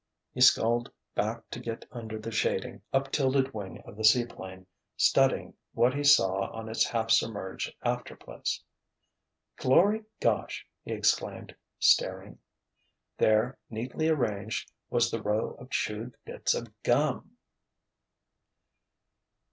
He sculled back to get under the shading, up tilted wing of the seaplane, studying what he saw of its half submerged after place. "Glory gosh!" he exclaimed, staring. There, neatly arranged, was the row of chewed bits of gum!